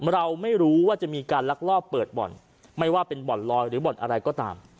เราไม่รู้ว่าจะมีการลักลอบเปิดบ่อนไม่ว่าเป็นบ่อนลอยหรือบ่อนอะไรก็ตาม